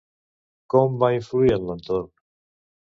Com va influir en l'entorn?